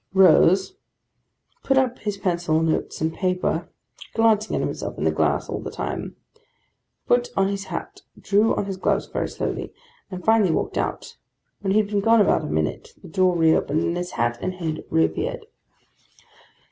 '; rose; put up his pencil, notes, and paper—glancing at himself in the glass, all the time—put on his hat—drew on his gloves very slowly; and finally walked out. When he had been gone about a minute, the door reopened, and his hat and his head reappeared.